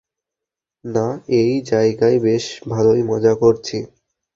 না, এই জায়গায় বেশ ভালোই মজা করছি।